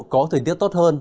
có thời tiết tốt hơn